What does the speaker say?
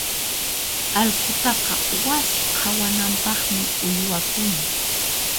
Allqutaqa wasi qhawanampaqmi uywakuni.